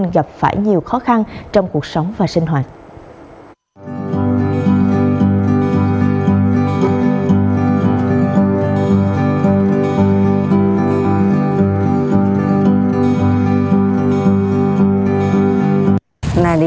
gặp phải nhiều khó khăn trong cuộc sống và sinh hoạt